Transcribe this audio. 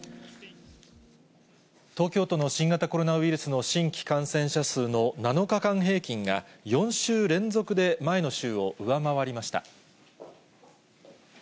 東京都の新型コロナウイルスの新規感染者数の７日間平均が、４週連続で前の週を上回りました。